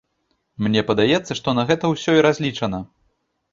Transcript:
Мне падаецца, што на гэта ўсё і разлічана.